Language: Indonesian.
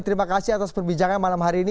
terima kasih atas perbincangan malam hari ini